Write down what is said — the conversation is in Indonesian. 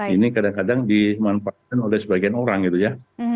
ini kadang kadang dimanfaatkan oleh sebagian orang gitu ya